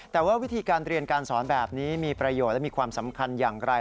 แต่ว่าวิธีการเรียนการสอนแบบนี้มีประโยชน์และมีความสำคัญอย่างไร